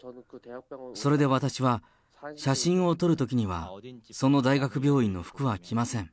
それで私は、写真を撮るときにはその大学病院の服は着ません。